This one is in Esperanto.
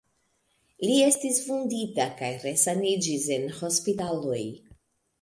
Li estis vundita kaj resaniĝis en hospitaloj.